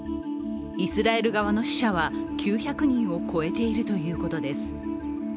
イスラエル側の死者は９００人を超えているということです。